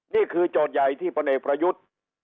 นี่คือโจทย์ใหญ่ที่พระเอกพระยุทธ